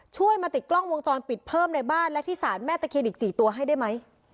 ช่วยมาติดกล้องวงจรปิดเพิ่มในบ้านและที่สารแม่ตะเคียนอีก๔ตัวให้ได้ไหม